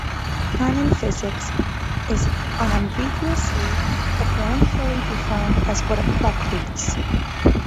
Time in physics is unambiguously operationally defined as "what a clock reads".